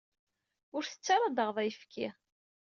Ur tettu ara ad d-taɣeḍ ayefki.